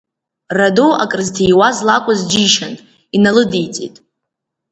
Радоу акрызҭиуаз лакәыз џьишьан, иналыдиҵеит.